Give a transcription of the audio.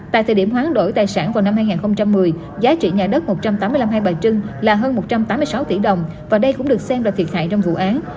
tại thời điểm hoán đổi tài sản vào năm hai nghìn một mươi giá trị nhà đất một trăm tám mươi năm hai bà trưng là hơn một trăm tám mươi sáu tỷ đồng và đây cũng được xem là thiệt hại trong vụ án